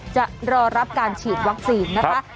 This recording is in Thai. จะรอรับการฉีดวัคซีนนะคะ